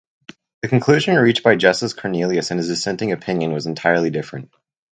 The conclusion reached by Justice Cornelius in his dissenting opinion was entirely different.